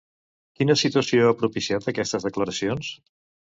Quina situació ha propiciat aquestes declaracions?